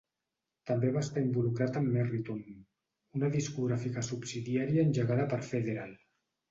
També va estar involucrat amb Merritone, una discogràfica subsidiària engegada per Federal.